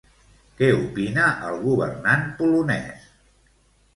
Què opina el governant polonès?